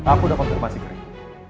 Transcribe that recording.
aku udah konfirmasi ke riki